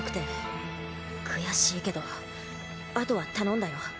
悔しいけどあとは頼んだよ。